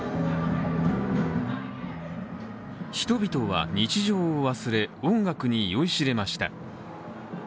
人々は日常を忘れ音楽に酔いしれました。